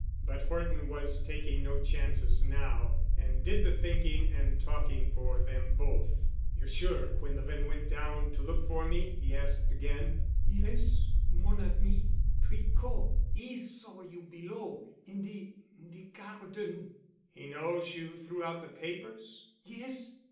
But Horton was taking no chances now and did the thinking and talking for them both. "You're sure Quinlevin went down to look for me?" he asked again. "Yes, m mon ami. Tricot,—'e saw you below—in—de—de garden." "He knows you threw out the papers?" "Yes.